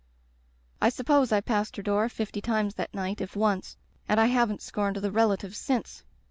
"I suppose I passed her door fifty times that night, if once, and I haven't scorned the relatives since.